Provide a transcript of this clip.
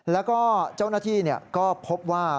แล้วก็เจ้าหน้าที่ก็พบว่า